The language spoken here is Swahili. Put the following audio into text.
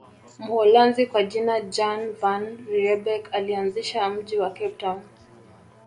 Mholanzi kwa jina Jan van Riebeeck alianzisha mji wa Cape Town